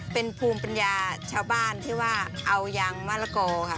เป็นภูมิปัญญาชาวบ้านที่ว่าเอายางมะละกอค่ะ